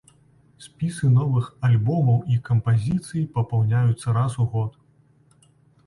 Спісы новых альбомаў і кампазіцый папаўняюцца раз у год.